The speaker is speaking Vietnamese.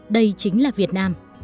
đây chính là việt nam